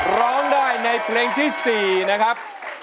ร้องได้ในเพลงที่๔นะครับ